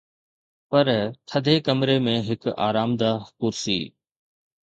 پر ٿڌي ڪمري ۾ هڪ آرامده ڪرسي